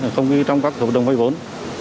không ghi trong các hợp đồng vay vốn